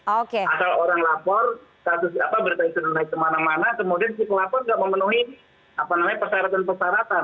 asal orang lapor berkaitan dengan kemana mana kemudian si pelapor tidak memenuhi apa namanya persyaratan persyaratan